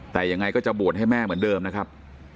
แต่ยังไงก็จะบวชให้แม่เหมือนเดิมนะครับ